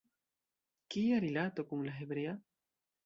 Kia rilato kun la hebrea?